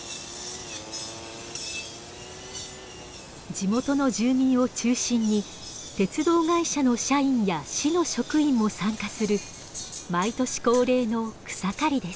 地元の住民を中心に鉄道会社の社員や市の職員も参加する毎年恒例の草刈りです。